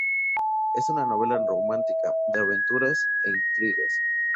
Es una novela romántica, de aventuras e intrigas.